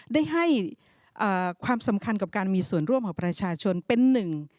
ได้ให้ความสำคัญกับการมีส่วนร่วมของประชาชนเป็นหนึ่ง